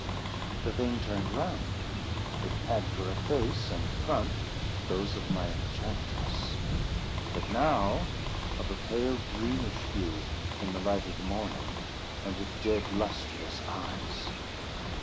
The thing turned round—it had for a face and front those of my enchantress, but now of a pale greenish hue in the light of the morning, and with dead lustreless eyes.